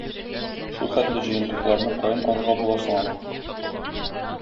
Шулхәтле җыентыкларны каян алырга була соң аны?